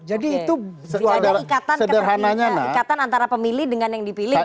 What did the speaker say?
jadi itu berada ikatan antara pemilih dengan yang dipilih